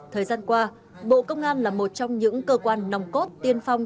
thời gian qua bộ công an là một trong những cơ quan nòng cốt tiên phong